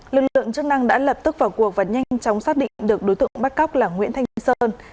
lực lượng chức năng đã lập tức vào cuộc và nhanh chóng xác định được đối tượng bắt cóc là nguyễn thanh sơn